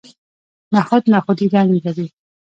نخود نخودي رنګ لري.